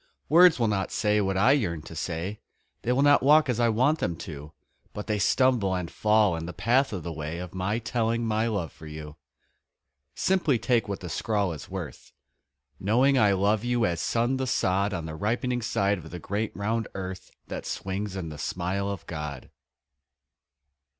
Words will not say what I yearn to say They will not walk as I want them to, But they stumble and fall in the path of the way Of my telling my love for you. Simply take what the scrawl is worth Knowing I love you as sun the sod On the ripening side of the great round earth That swings in the smile of God.